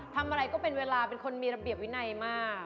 ทำอะไรก็เป็นเวลาเป็นคนมีระเบียบวินัยมาก